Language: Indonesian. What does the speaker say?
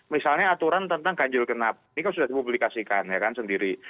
misalnya aturan tentang ganjil genap ini kan sudah dipublikasikan ya kan sendiri